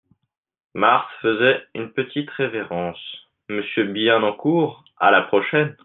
Marthe faisant une petite révérence. — Monsieur Bienencourt, à la prochaine !